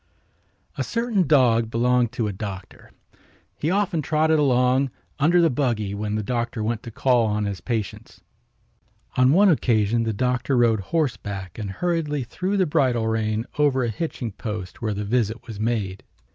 A certain dog belonged to a doctor. He often trotted along under the buggy when the doctor went to call on his patients. On one occasion the doctor rode horseback and hurriedly threw the bridle rein over a hitching post where the visit was made.